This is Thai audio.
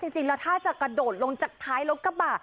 จริงแล้วถ้าจะกระโดดลงจากท้ายรถกระบะ